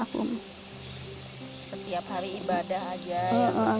setiap hari ibadah aja